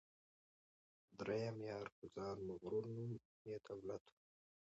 دریم یار په ځان مغرور نوم یې دولت وو